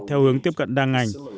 theo hướng tiếp cận đa ngành